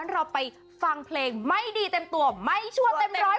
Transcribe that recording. เราไปฟังเพลงไม่ดีเต็มตัวไม่ชั่วเต็มร้อย